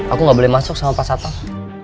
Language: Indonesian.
aku gak boleh masuk sama pak satong